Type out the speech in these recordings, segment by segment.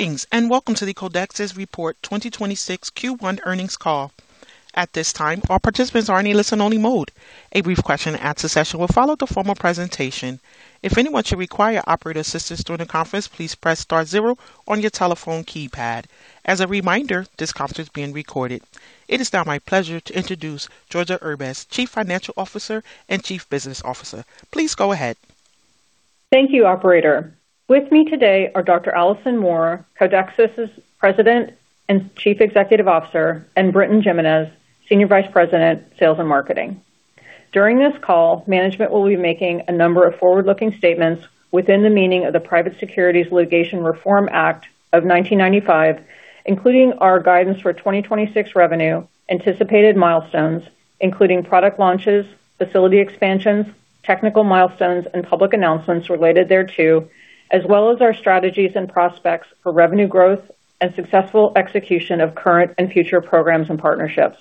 Greetings, welcome to the Codexis Report 2026 Q1 Earnings Call. At this time, all participants are in a listen-only mode. A brief question and answer session will follow the formal presentation. If anyone should require operator assistance during the conference, please press star zero on your telephone keypad. As a reminder, this conference is being recorded. It is now my pleasure to introduce Georgia Erbez, Chief Financial Officer and Chief Business Officer. Please go ahead. Thank you, operator. With me today are Dr. Alison Moore, Codexis' President and Chief Executive Officer, and Britton Jimenez, Senior Vice President, Sales and Marketing. During this call, management will be making a number of forward-looking statements within the meaning of the Private Securities Litigation Reform Act of 1995, including our guidance for 2026 revenue, anticipated milestones, including product launches, facility expansions, technical milestones, and public announcements related thereto, as well as our strategies and prospects for revenue growth and successful execution of current and future programs and partnerships.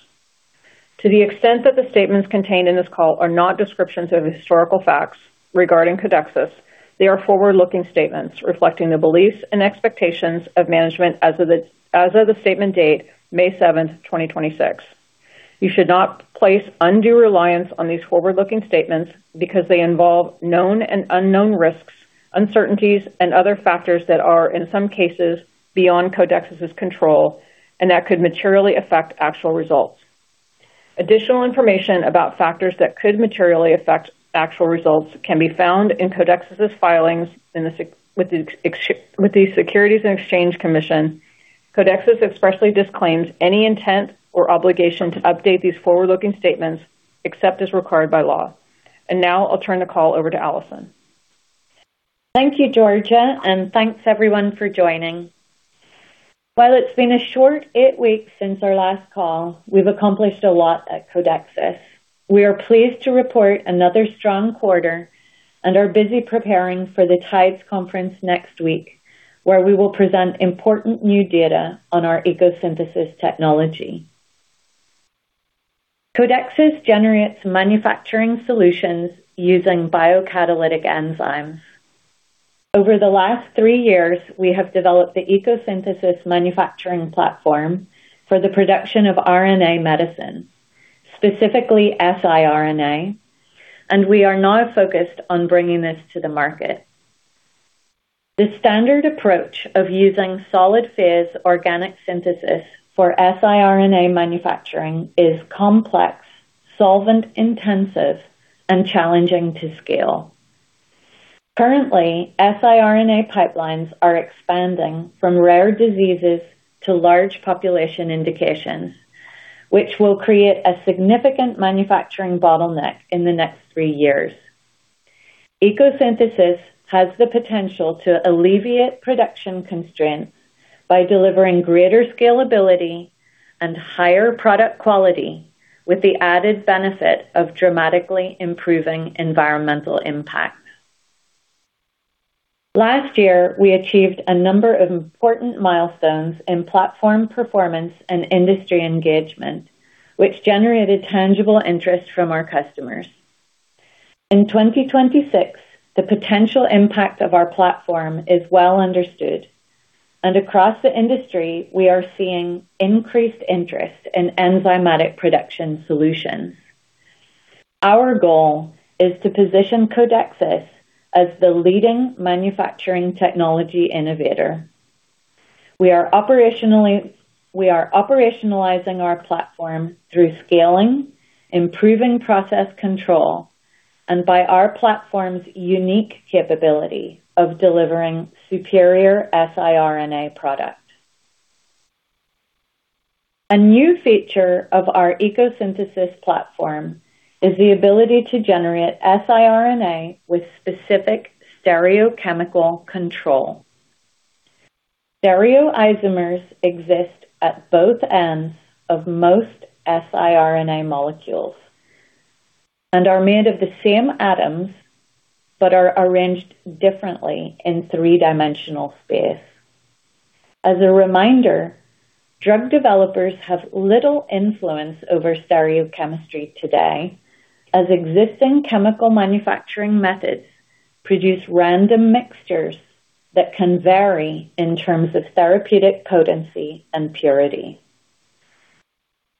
To the extent that the statements contained in this call are not descriptions of historical facts regarding Codexis, they are forward-looking statements reflecting the beliefs and expectations of management as of the statement date, May 7th, 2026. You should not place undue reliance on these forward-looking statements because they involve known and unknown risks, uncertainties, and other factors that are, in some cases, beyond Codexis' control and that could materially affect actual results. Additional information about factors that could materially affect actual results can be found in Codexis' filings With the Securities and Exchange Commission. Codexis expressly disclaims any intent or obligation to update these forward-looking statements except as required by law. Now I'll turn the call over to Alison. Thank you, Georgia, and thanks, everyone, for joining. While it's been a short eight weeks since our last call, we've accomplished a lot at Codexis. We are pleased to report another strong quarter and are busy preparing for the TIDES conference next week, where we will present important new data on our ECO Synthesis technology. Codexis generates manufacturing solutions using biocatalytic enzymes. Over the last three years, we have developed the ECO Synthesis manufacturing platform for the production of RNA medicine, specifically siRNA, and we are now focused on bringing this to the market. The standard approach of using solid-phase oligonucleotide synthesis for siRNA manufacturing is complex, solvent-intensive, and challenging to scale. Currently, siRNA pipelines are expanding from rare diseases to large population indications, which will create a significant manufacturing bottleneck in the next three years. ECO Synthesis has the potential to alleviate production constraints by delivering greater scalability and higher product quality with the added benefit of dramatically improving environmental impact. Last year, we achieved a number of important milestones in platform performance and industry engagement, which generated tangible interest from our customers. In 2026, the potential impact of our platform is well understood, and across the industry, we are seeing increased interest in enzymatic production solutions. Our goal is to position Codexis as the leading manufacturing technology innovator. We are operationalizing our platform through scaling, improving process control, and by our platform's unique capability of delivering superior siRNA product. A new feature of our ECO Synthesis platform is the ability to generate siRNA with specific stereochemical control. Stereoisomers exist at both ends of most siRNA molecules and are made of the same atoms but are arranged differently in three-dimensional space. As a reminder, drug developers have little influence over stereochemistry today, as existing chemical manufacturing methods produce random mixtures that can vary in terms of therapeutic potency and purity.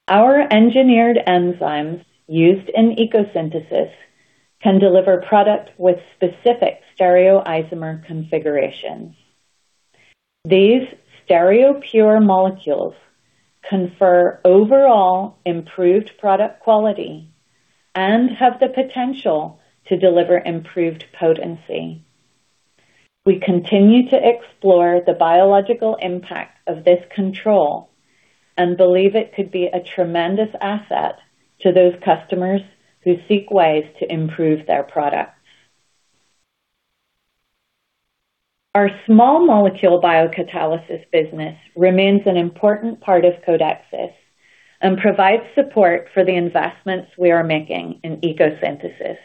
Our engineered enzymes used in ECO Synthesis can deliver product with specific stereoisomer configurations. These stereopure molecules confer overall improved product quality and have the potential to deliver improved potency. We continue to explore the biological impact of this control and believe it could be a tremendous asset to those customers who seek ways to improve their products. Our small molecule biocatalysis business remains an important part of Codexis and provides support for the investments we are making in ECO Synthesis.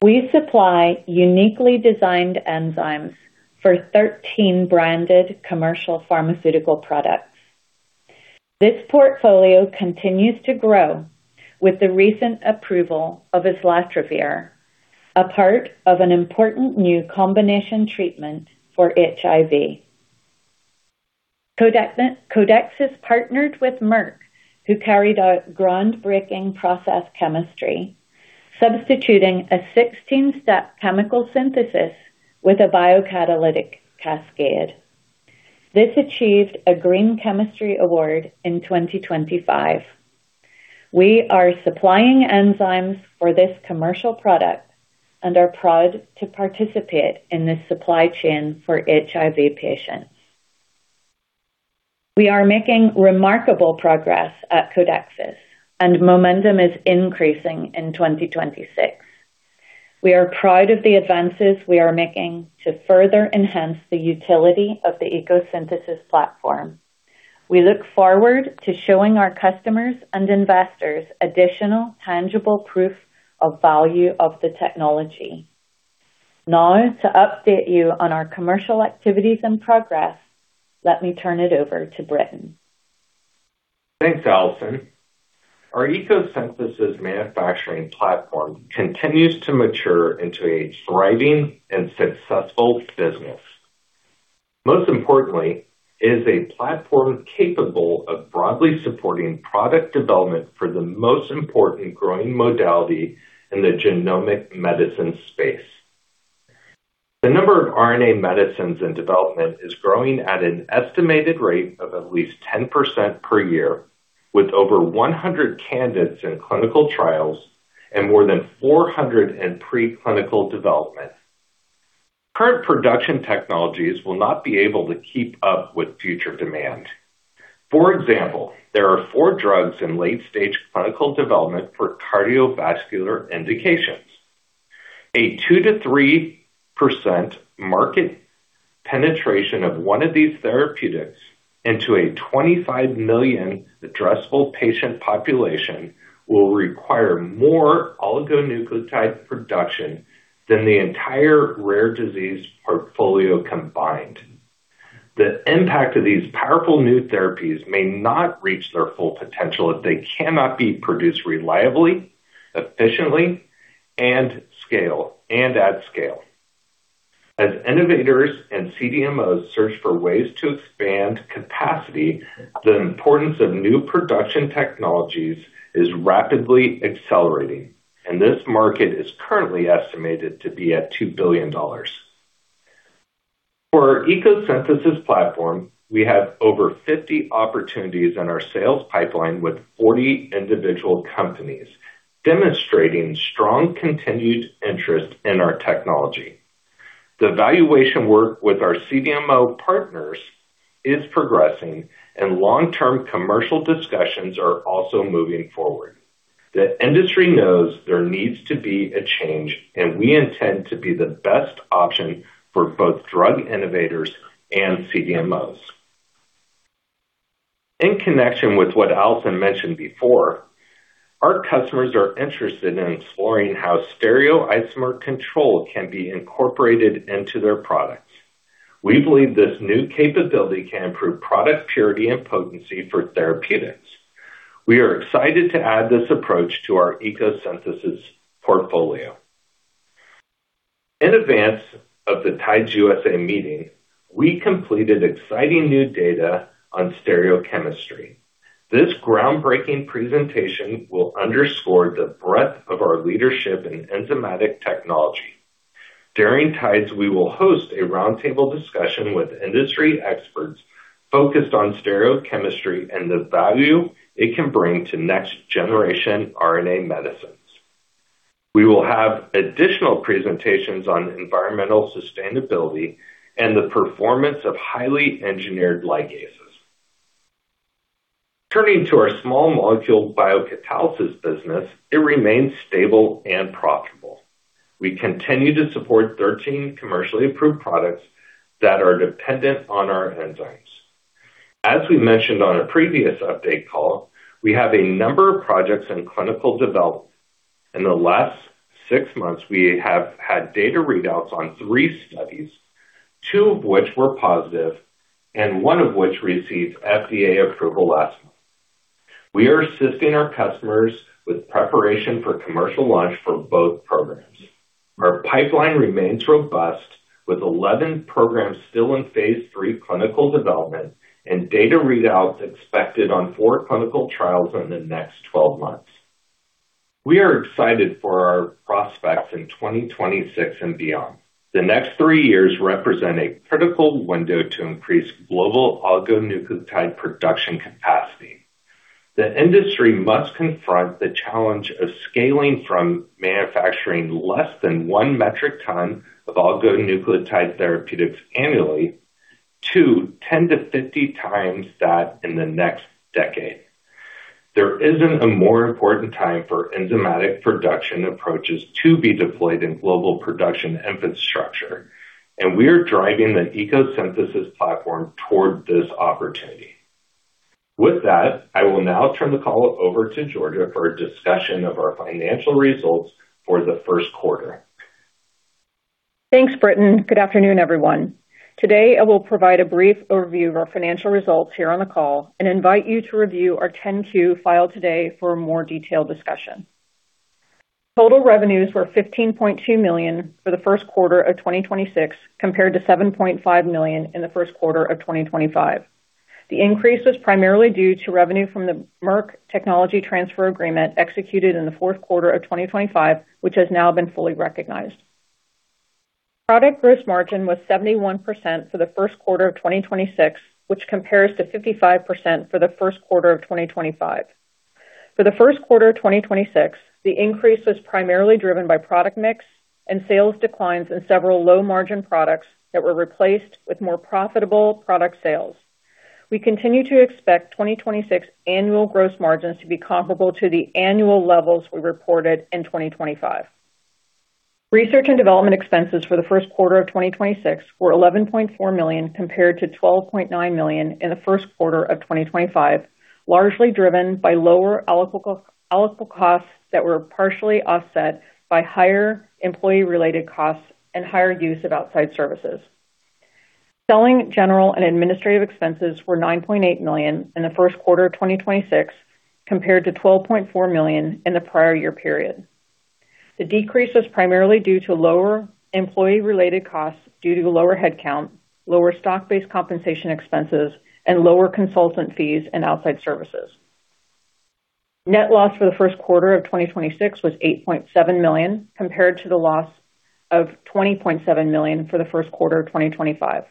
We supply uniquely designed enzymes for 13 branded commercial pharmaceutical products. This portfolio continues to grow with the recent approval of islatravir, a part of an important new combination treatment for HIV. Codexis partnered with Merck, who carried out groundbreaking process chemistry, substituting a 16-step chemical synthesis with a biocatalytic cascade. This achieved a Green Chemistry Challenge Award in 2025. We are supplying enzymes for this commercial product and are proud to participate in this supply chain for HIV patients. We are making remarkable progress at Codexis, and momentum is increasing in 2026. We are proud of the advances we are making to further enhance the utility of the ECO Synthesis platform. We look forward to showing our customers and investors additional tangible proof of value of the technology. Now, to update you on our commercial activities and progress, let me turn it over to Britton. Thanks, Alison. Our ECO Synthesis manufacturing platform continues to mature into a thriving and successful business. Most importantly, it is a platform capable of broadly supporting product development for the most important growing modality in the genomic medicine space. The number of RNA medicines in development is growing at an estimated rate of at least 10% per year, with over 100 candidates in clinical trials and more than 400 in pre-clinical development. Current production technologies will not be able to keep up with future demand. For example, there are four drugs in late-stage clinical development for cardiovascular indications. A 2%-3% market penetration of one of these therapeutics into a 25 million addressable patient population will require more oligonucleotide production than the entire rare disease portfolio combined. The impact of these powerful new therapies may not reach their full potential if they cannot be produced reliably, efficiently, and at scale. As innovators and CDMOs search for ways to expand capacity, the importance of new production technologies is rapidly accelerating, and this market is currently estimated to be at $2 billion. For our ECO Synthesis platform, we have over 50 opportunities in our sales pipeline with 40 individual companies demonstrating strong continued interest in our technology. The evaluation work with our CDMO partners is progressing and long-term commercial discussions are also moving forward. The industry knows there needs to be a change. We intend to be the best option for both drug innovators and CDMOs. In connection with what Alison mentioned before, our customers are interested in exploring how stereoisomer control can be incorporated into their products. We believe this new capability can improve product purity and potency for therapeutics. We are excited to add this approach to our ECO Synthesis portfolio. In advance of the TIDES USA meeting, we completed exciting new data on stereochemistry. This groundbreaking presentation will underscore the breadth of our leadership in enzymatic technology. During TIDES, we will host a roundtable discussion with industry experts focused on stereochemistry and the value it can bring to next-generation RNA medicines. We will have additional presentations on environmental sustainability and the performance of highly engineered ligases. Turning to our small molecule biocatalysis business, it remains stable and profitable. We continue to support 13 commercially approved products that are dependent on our enzymes. As we mentioned on a previous update call, we have a number of projects in clinical development. In the last six months, we have had data readouts on three studies, two of which were positive and one of which received FDA approval last month. We are assisting our customers with preparation for commercial launch for both programs. Our pipeline remains robust with 11 programs still in phase III clinical development and data readouts expected on four clinical trials in the next 12 months. We are excited for our prospects in 2026 and beyond. The next three years represent a critical window to increase global oligonucleotide production capacity. The industry must confront the challenge of scaling from manufacturing less than 1 metric ton of oligonucleotide therapeutics annually to 10-50 times that in the next decade. There isn't a more important time for enzymatic production approaches to be deployed in global production infrastructure, and we are driving the ECO Synthesis platform toward this opportunity. With that, I will now turn the call over to Georgia for a discussion of our financial results for the first quarter. Thanks, Britton. Good afternoon, everyone. Today I will provide a brief overview of our financial results here on the call and invite you to review our 10-Q file today for a more detailed discussion. Total revenues were $15.2 million for the first quarter of 2026, compared to $7.5 million in the first quarter of 2025. The increase was primarily due to revenue from the Merck Technology Transfer Agreement executed in the fourth quarter of 2025, which has now been fully recognized. Product gross margin was 71% for the first quarter of 2026, which compares to 55% for the first quarter of 2025. For the first quarter of 2026, the increase was primarily driven by product mix and sales declines in several low margin products that were replaced with more profitable product sales. We continue to expect 2026 annual gross margins to be comparable to the annual levels we reported in 2025. Research and development expenses for the first quarter of 2026 were $11.4 million, compared to $12.9 million in the first quarter of 2025, largely driven by lower allocable costs that were partially offset by higher employee-related costs and higher use of outside services. Selling general and administrative expenses were $9.8 million in the first quarter of 2026, compared to $12.4 million in the prior year period. The decrease was primarily due to lower employee-related costs due to lower headcount, lower stock-based compensation expenses, and lower consultant fees and outside services. Net loss for the first quarter of 2026 was $8.7 million, compared to the loss of $20.7 million for the first quarter of 2025.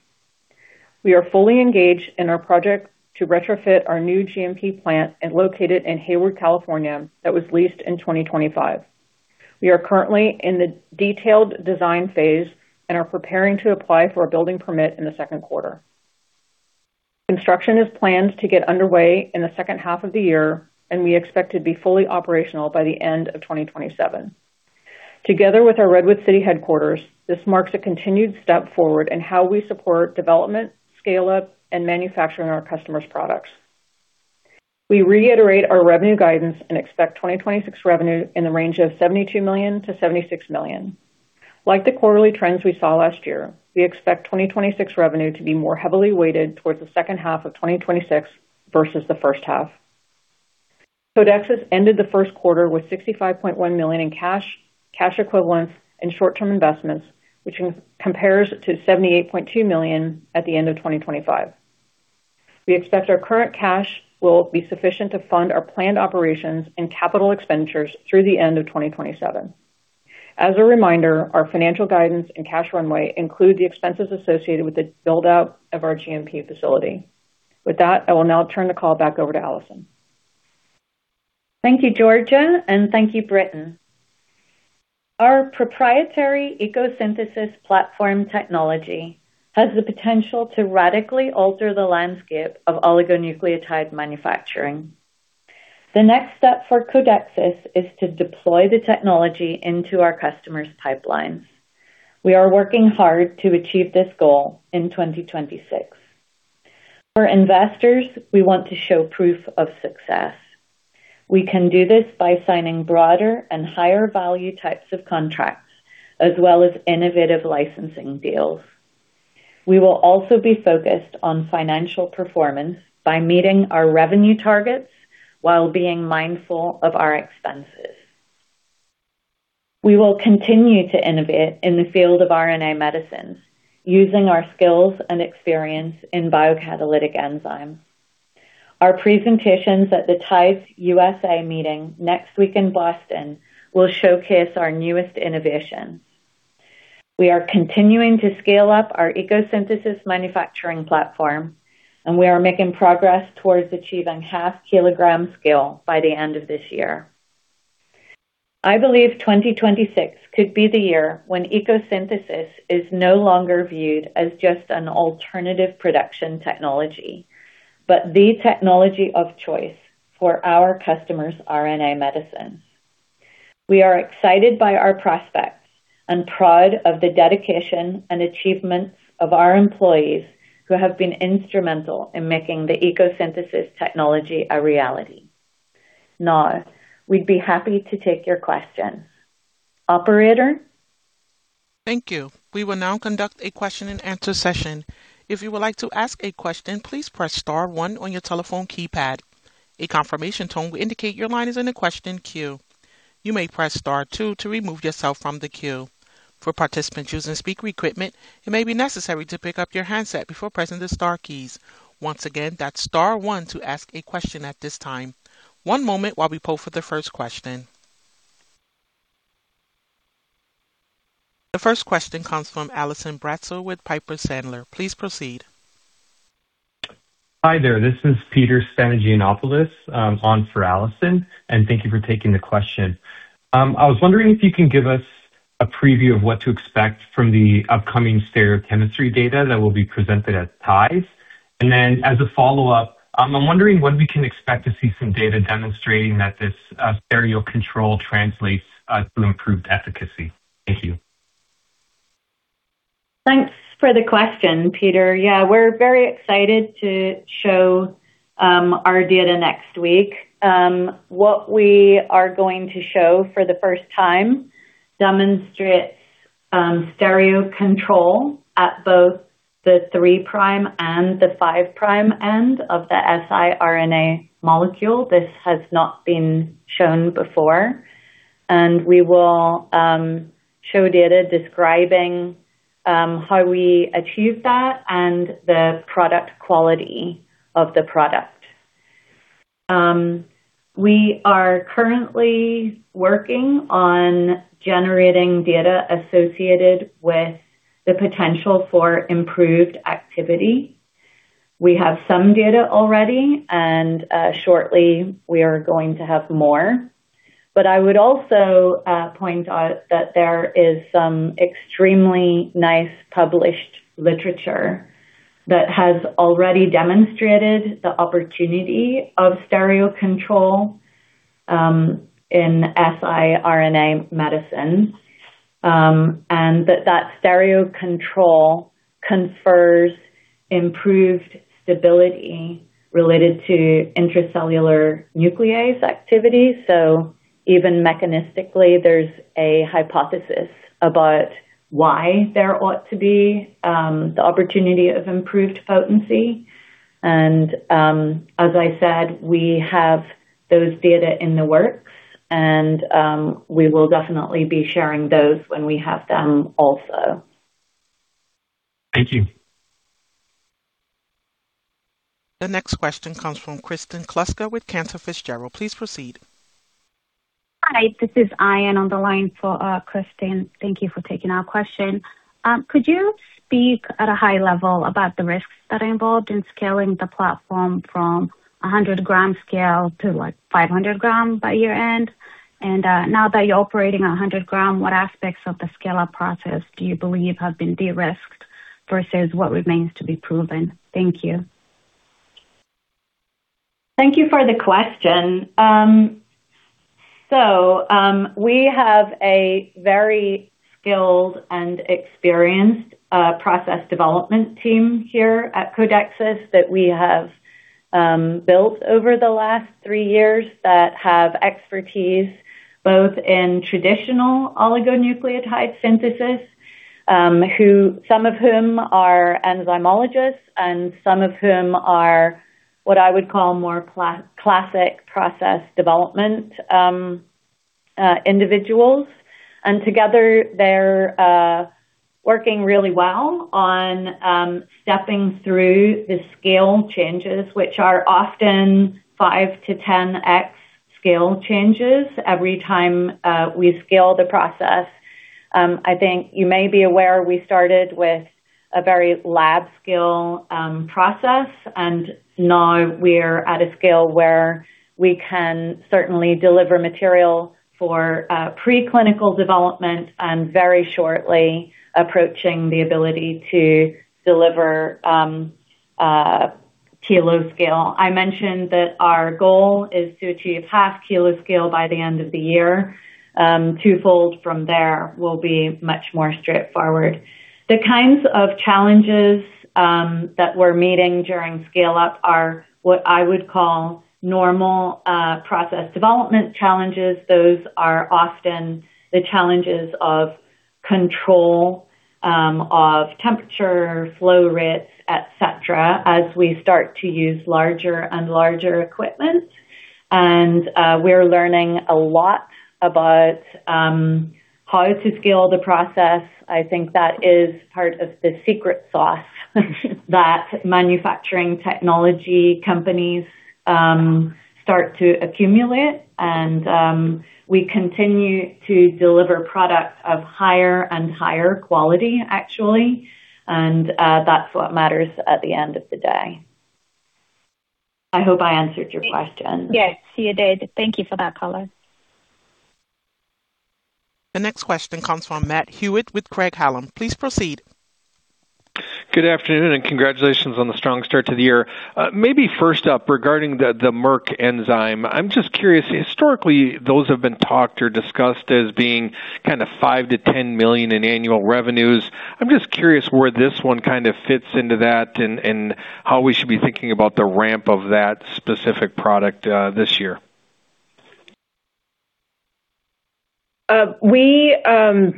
We are fully engaged in our project to retrofit our new GMP plant and located in Hayward, California, that was leased in 2025. We are currently in the detailed design phase and are preparing to apply for a building permit in the second quarter. Construction is planned to get underway in the second half of the year and we expect to be fully operational by the end of 2027. Together with our Redwood City headquarters, this marks a continued step forward in how we support development, scale-up, and manufacturing our customers products. We reiterate our revenue guidance and expect 2026 revenue in the range of $72 million-$76 million. Like the quarterly trends we saw last year, we expect 2026 revenue to be more heavily weighted towards the second half of 2026 versus the first half. Codexis ended the first quarter with $65.1 million in cash equivalents and short-term investments, which compares to $78.2 million at the end of 2025. We expect our current cash will be sufficient to fund our planned operations and capital expenditures through the end of 2027. As a reminder, our financial guidance and cash runway include the expenses associated with the build out of our GMP facility. With that, I will now turn the call back over to Alison. Thank you, Georgia, thank you Britton. Our proprietary ECO Synthesis platform technology has the potential to radically alter the landscape of oligonucleotide manufacturing. The next step for Codexis is to deploy the technology into our customers pipelines. We are working hard to achieve this goal in 2026. For investors, we want to show proof of success. We can do this by signing broader and higher value types of contracts as well as innovative licensing deals. We will also be focused on financial performance by meeting our revenue targets while being mindful of our expenses. We will continue to innovate in the field of RNA medicines using our skills and experience in biocatalytic enzymes. Our presentations at the TIDES USA meeting next week in Boston will showcase our newest innovation. We are continuing to scale up our ECO Synthesis manufacturing platform, and we are making progress towards achieving half kilogram scale by the end of this year. I believe 2026 could be the year when ECO Synthesis is no longer viewed as just an alternative production technology, but the technology of choice for our customers' RNA medicines. We are excited by our prospects and proud of the dedication and achievements of our employees who have been instrumental in making the ECO Synthesis technology a reality. Now, we'd be happy to take your questions. Operator? Thank you. We will now conduct a question and answer session. If you would like to ask a question, please press star one on your telephone keypad. A confirmation tone will indicate your line is in the question queue. You may press star two to remove yourself from the queue. For participants using speaker equipment, it may be necessary to pick up your handset before pressing the star keys. Once again, that's star one to ask a question at this time. One moment while we poll for the first question. The first question comes from Allison Bratzel with Piper Sandler. Please proceed. Hi there. This is Peter Spanogiannopoulos, on for Allison, and thank you for taking the question. I was wondering if you can give us a preview of what to expect from the upcoming stereochemistry data that will be presented at TIDES. As a follow-up, I'm wondering when we can expect to see some data demonstrating that this stereo control translates to improved efficacy. Thank you. Thanks for the question, Peter. Yeah, we're very excited to show our data next week. What we are going to show for the first time demonstrates stereo control at both the three prime and the five prime end of the siRNA molecule. This has not been shown before, and we will show data describing how we achieve that and the product quality of the product. We are currently working on generating data associated with the potential for improved activity. We have some data already, and shortly we are going to have more. I would also point out that there is some extremely nice published literature that has already demonstrated the opportunity of stereo control in siRNA medicine, and that stereo control confers improved stability related to intracellular nuclease activity. Even mechanistically, there's a hypothesis about why there ought to be the opportunity of improved potency. As I said, we have those data in the works and we will definitely be sharing those when we have them also. Thank you. The next question comes from Kristen Kluska with Cantor Fitzgerald. Please proceed. Hi, this is Ayan on the line for Kristen. Thank you for taking our question. Could you speak at a high level about the risks that are involved in scaling the platform from a 100 g scale to, like, 500 g by year-end? Now that you're operating at 100 g, what aspects of the scale-up process do you believe have been de-risked versus what remains to be proven? Thank you. Thank you for the question. We have a very skilled and experienced process development team here at Codexis that we have built over the last three years that have expertise both in traditional oligonucleotide synthesis, some of whom are enzymologists and some of whom are what I would call more classic process development individuals. Together, they're working really well on stepping through the scale changes, which are often 5x to 10x scale changes every time we scale the process. I think you may be aware we started with a very lab scale process, and now we're at a scale where we can certainly deliver material for preclinical development and very shortly approaching the ability to deliver kilo scale. I mentioned that our goal is to achieve 0.5 kg scale by the end of the year. Twofold from there will be much more straightforward. The kinds of challenges that we're meeting during scale-up are what I would call normal process development challenges. Those are often the challenges of control, of temperature, flow rates, et cetera, as we start to use larger and larger equipment. We're learning a lot about how to scale the process. I think that is part of the secret sauce that manufacturing technology companies start to accumulate. We continue to deliver products of higher and higher quality, actually. That's what matters at the end of the day. I hope I answered your question. Yes, you did. Thank you for that color. The next question comes from Matt Hewitt with Craig-Hallum. Please proceed. Good afternoon, congratulations on the strong start to the year. Maybe first up, regarding the Merck enzyme, I'm just curious. Historically, those have been talked or discussed as being kinda $5 million-$10 million in annual revenues. I'm just curious where this one kind of fits into that and how we should be thinking about the ramp of that specific product this year.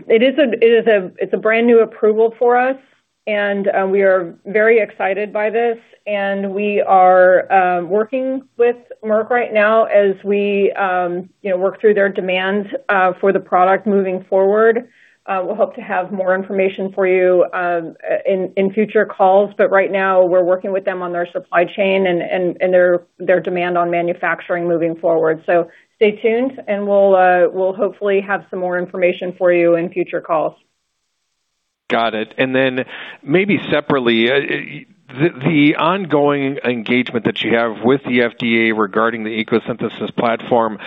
It is a brand-new approval for us, and we are very excited by this, and we are working with Merck right now as we, you know, work through their demand for the product moving forward. We'll hope to have more information for you in future calls. Right now we're working with them on their supply chain and their demand on manufacturing moving forward. Stay tuned, and we'll hopefully have some more information for you in future calls. Got it. Then maybe separately, the ongoing engagement that you have with the FDA regarding the ECO Synthesis platform,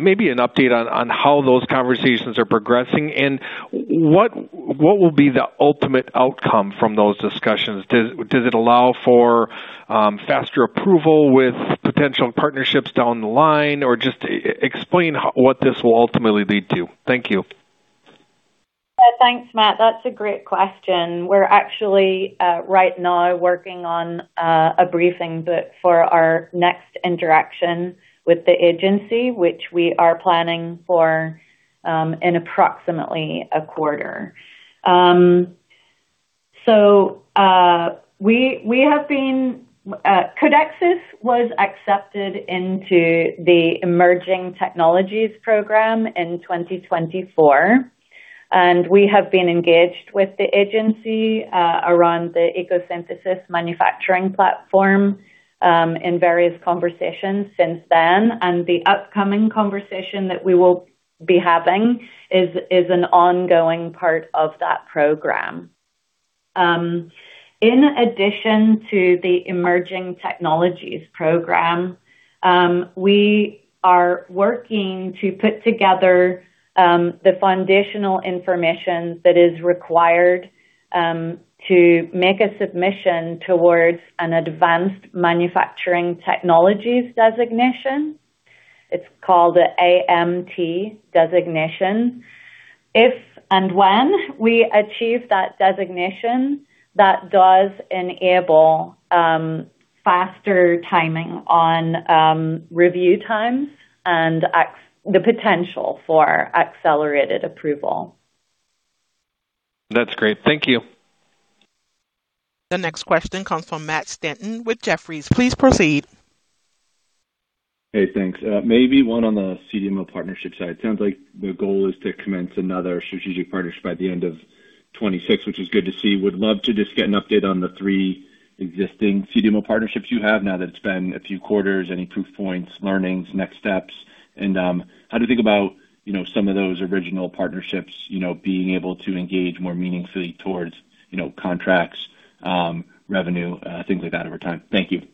maybe an update on how those conversations are progressing and what will be the ultimate outcome from those discussions? Does it allow for faster approval with potential partnerships down the line? Or just explain what this will ultimately lead to. Thank you. Yeah, thanks, Matt. That's a great question. We're actually right now working on a briefing book for our next interaction with the agency, which we are planning for in approximately a quarter. Codexis was accepted into the Emerging Technologies Program in 2024, and we have been engaged with the agency around the ECO Synthesis manufacturing platform in various conversations since then. The upcoming conversation that we will be having is an ongoing part of that program. In addition to the Emerging Technologies Program, we are working to put together the foundational information that is required to make a submission towards an Advanced Manufacturing Technologies designation. It's called a AMT designation. If and when we achieve that Designation, that does enable faster timing on review times and the potential for accelerated approval. That's great. Thank you. The next question comes from Matt Stanton with Jefferies. Please proceed. Hey, thanks. Maybe one on the CDMO partnership side. Sounds like the goal is to commence another strategic partnership by the end of 2026, which is good to see. Would love to just get an update on the three existing CDMO partnerships you have now that it's been a few quarters. Any proof points, learnings, next steps? How do you think about, you know, some of those original partnerships, you know, being able to engage more meaningfully towards, you know, contracts, revenue, things like that over time? Thank you.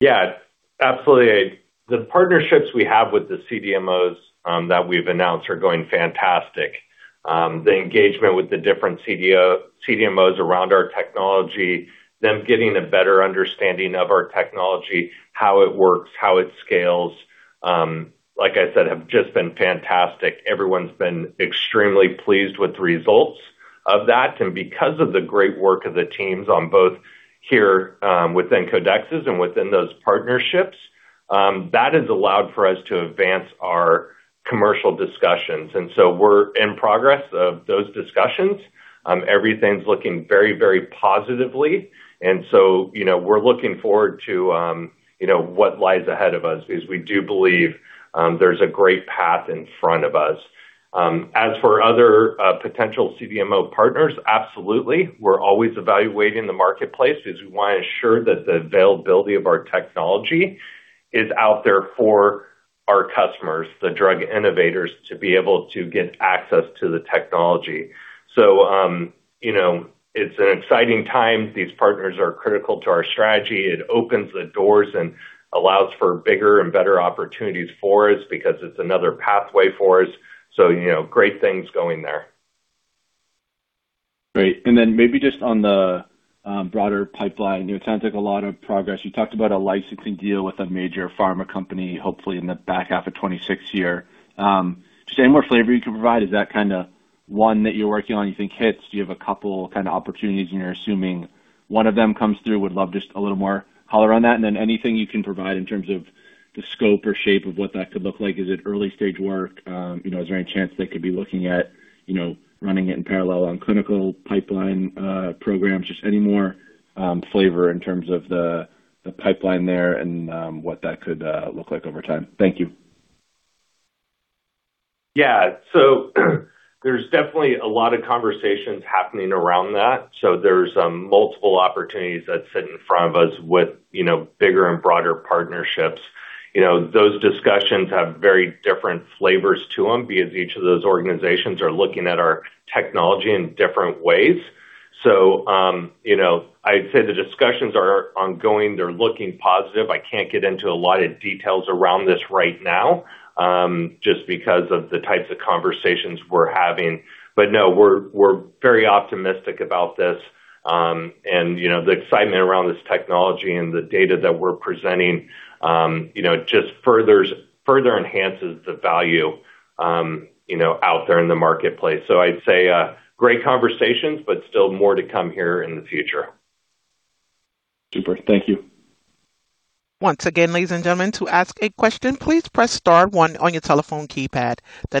Yeah, absolutely. The partnerships we have with the CDMOs that we've announced are going fantastic. The engagement with the different CDMOs around our technology, them getting a better understanding of our technology, how it works, how it scales, like I said, have just been fantastic. Everyone's been extremely pleased with the results of that. Because of the great work of the teams on both here, within Codexis and within those partnerships, that has allowed for us to advance our commercial discussions. We're in progress of those discussions. Everything's looking very, very positively. We're looking forward to, you know, what lies ahead of us as we do believe there's a great path in front of us. As for other potential CDMO partners, absolutely. We're always evaluating the marketplace as we want to ensure that the availability of our technology is out there for our customers, the drug innovators, to be able to get access to the technology. You know, it's an exciting time. These partners are critical to our strategy. It opens the doors and allows for bigger and better opportunities for us because it's another pathway for us. You know, great things going there. Great. Maybe just on the broader pipeline. You know, it sounds like a lot of progress. You talked about a licensing deal with a major pharma company, hopefully in the back half of 2026 here. Just any more flavor you can provide. Is that kind of 1 that you're working on you think hits? Do you have two kind of opportunities and you're assuming one of them comes through? Would love just a little more color on that. Anything you can provide in terms of the scope or shape of what that could look like. Is it early-stage work? You know, is there any chance they could be looking at, you know, running it in parallel on clinical pipeline programs? Just any more flavor in terms of the pipeline there and what that could look like over time. Thank you. Yeah. There's definitely a lot of conversations happening around that. There's multiple opportunities that sit in front of us with, you know, bigger and broader partnerships. You know, those discussions have very different flavors to them because each of those organizations are looking at our technology in different ways. You know, I'd say the discussions are ongoing. They're looking positive. I can't get into a lot of details around this right now, just because of the types of conversations we're having. No, we're very optimistic about this. You know, the excitement around this technology and the data that we're presenting, you know, further enhances the value, you know, out there in the marketplace. I'd say, great conversations, still more to come here in the future. Super. Thank you. The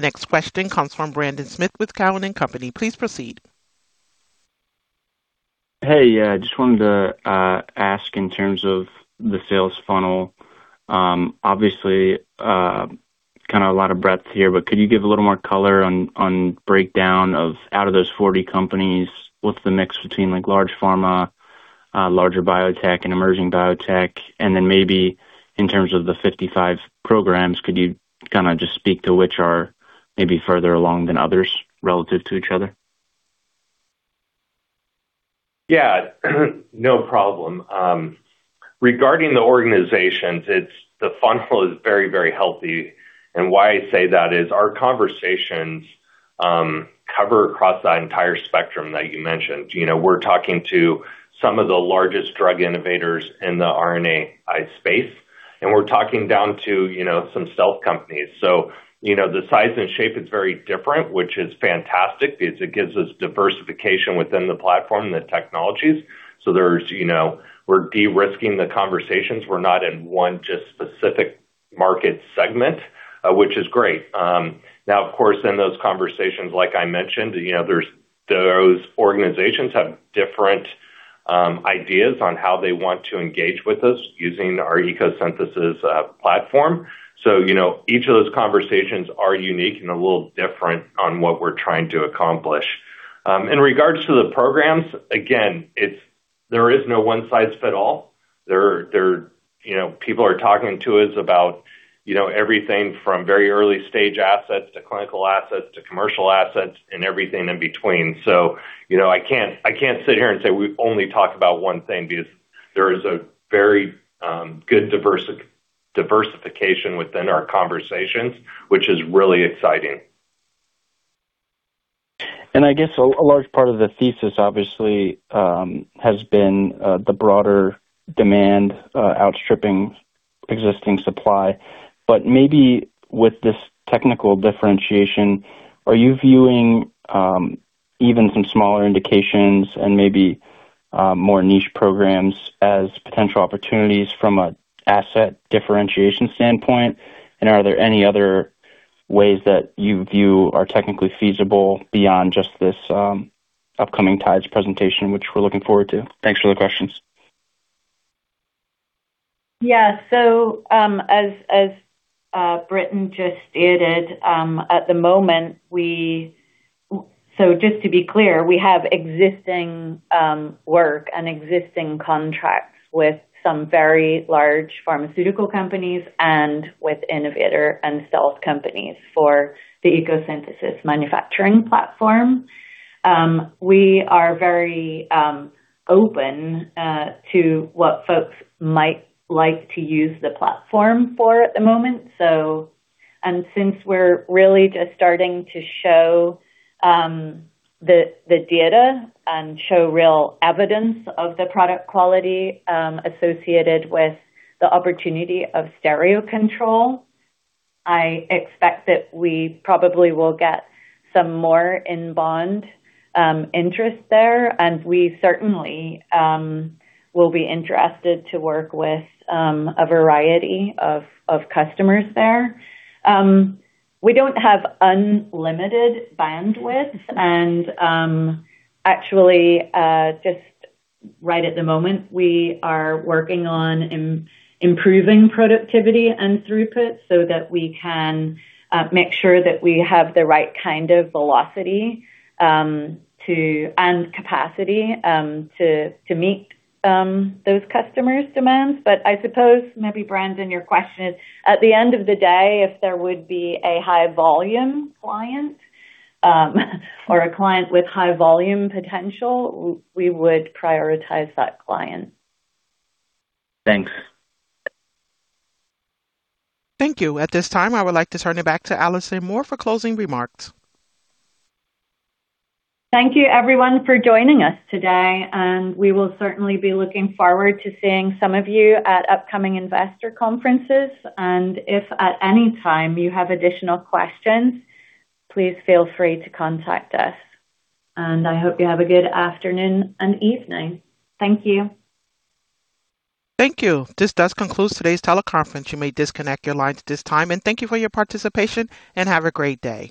next question comes from Brendan Smith with TD Cowen. Hey, yeah, I just wanted to ask in terms of the sales funnel, obviously, a lot of breadth here, but could you give a little more color on breakdown of out of those 40 companies, what's the mix between like large pharma, larger biotech and emerging biotech? Then maybe in terms of the 55 programs, could you just speak to which are maybe further along than others relative to each other? Yeah, no problem. Regarding the organizations, the funnel is very, very healthy. Why I say that is our conversations cover across that entire spectrum that you mentioned. You know, we're talking to some of the largest drug innovators in the RNAi space. We're talking down to, you know, some stealth companies. The size and shape is very different, which is fantastic because it gives us diversification within the platform, the technologies. There's, you know, we're de-risking the conversations. We're not in one just specific market segment, which is great. Now, of course, in those conversations, like I mentioned, you know, those organizations have different ideas on how they want to engage with us using our ECO Synthesis's platform. Each of those conversations are unique and a little different on what we're trying to accomplish. In regards to the programs, again, there is no one size fits all. There, you know, people are talking to us about, you know, everything from very early stage assets to clinical assets to commercial assets and everything in between. You know, I can't sit here and say we only talk about one thing because there is a very good diversification within our conversations, which is really exciting. I guess a large part of the thesis obviously has been the broader demand outstripping existing supply. Maybe with this technical differentiation, are you viewing even some smaller indications and maybe more niche programs as potential opportunities from a asset differentiation standpoint? Are there any other ways that you view are technically feasible beyond just this upcoming TIDES presentation, which we're looking forward to? Thanks for the questions. As Britton just stated, at the moment, just to be clear, we have existing work and existing contracts with some very large pharmaceutical companies and with innovator and stealth companies for the ECO Synthesis manufacturing platform. We are very open to what folks might like to use the platform for at the moment. Since we're really just starting to show the data and show real evidence of the product quality associated with the opportunity of stereo control, I expect that we probably will get some more inbound interest there, and we certainly will be interested to work with a variety of customers there. We don't have unlimited bandwidth and, actually, just right at the moment, we are working on improving productivity and throughput so that we can make sure that we have the right kind of velocity to and capacity to meet those customers' demands. I suppose maybe, Brendan, your question is, at the end of the day, if there would be a high volume client, or a client with high volume potential, we would prioritize that client. Thanks. Thank you. At this time, I would like to turn it back to Alison Moore for closing remarks. Thank you everyone for joining us today, and we will certainly be looking forward to seeing some of you at upcoming investor conferences. If at any time you have additional questions, please feel free to contact us. I hope you have a good afternoon and evening. Thank you. Thank you. This does conclude today's teleconference. You may disconnect your lines at this time. Thank you for your participation, and have a great day.